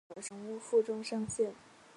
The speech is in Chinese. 力量同时决定了人物负重上限。